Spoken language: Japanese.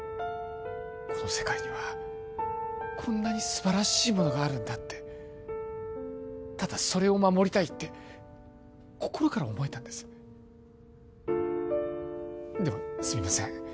この世界にはこんなに素晴らしいものがあるんだってただそれを守りたいって心から思えたんですでもすみません